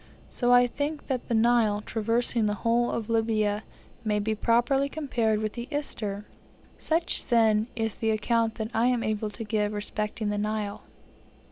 So I think that the Nile, traversing the whole of Libya, may be properly compared with the Ister. Such, then, is the account that I am able to give respecting the Nile.